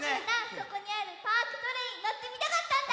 そこにあるパークトレインのってみたかったんだ！